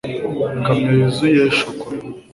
Ikamyo yuzuye shokora